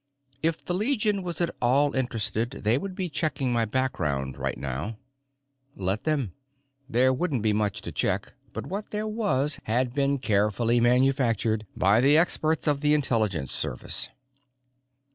If the Legion was at all interested, they would be checking my background right now. Let them. There wouldn't be much to check, but what there was had been carefully manufactured by the experts of the Intelligence Service.